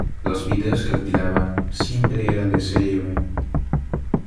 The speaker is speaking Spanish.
Los vídeos que alquilaba siempre eran de serie B.